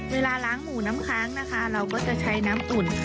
เวลาล้างหมูน้ำค้างนะคะเราก็จะใช้น้ำอุ่น